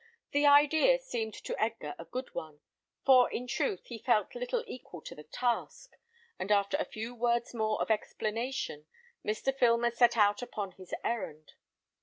The idea seemed to Edgar a good one, for in truth he felt little equal to the task, and after a few words more of explanation, Mr. Filmer set out upon his errand.